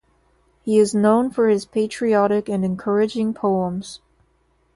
He is known for his patriotic and encouraging poems.